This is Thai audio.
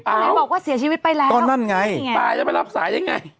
ไหนบอกว่าเสียชีวิตไปแล้วก็นั่นไงตายแล้วไปรับสายได้ไง